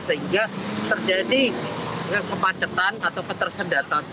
sehingga terjadi kemacetan atau ketersendatan